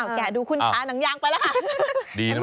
แกดูคุณค้านังยางไปแล้วค่ะ